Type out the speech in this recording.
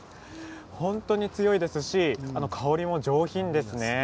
本当に強いですし香りも上品です。